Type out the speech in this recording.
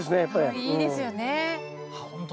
香りいいですよね。